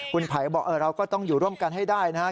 คุณไผ่บอกเราก็ต้องอยู่ร่วมกันให้ได้นะครับ